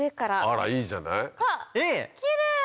あらいいじゃない。